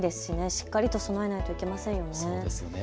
しっかりと備えなきゃいけませんよね。